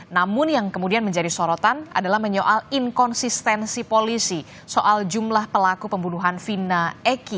namun yang kemudian menjadi sorotan adalah menyoal inkonsistensi polisi soal jumlah pelaku pembunuhan vina eki